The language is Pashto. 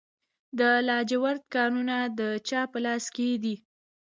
د لاجوردو کانونه د چا په لاس کې دي؟